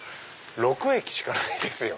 ６駅しかないですよ。